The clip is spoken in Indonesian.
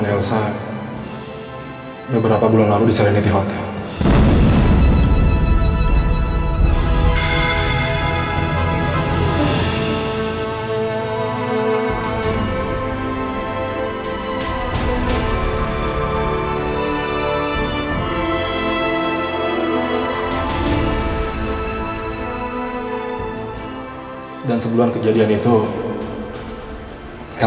sampai jumpa di video selanjutnya